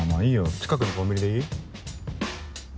近くのコンビニでいい？